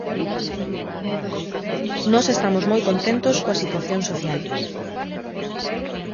Nós estamos moi contentos coa situación social.